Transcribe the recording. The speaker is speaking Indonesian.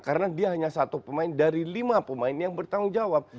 karena dia hanya satu pemain dari lima pemain yang bertanggung jawab